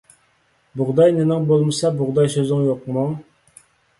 بۇغداي نېنىڭ بولمىسا، بۇغداي سۆزۈڭ يوقمۇ.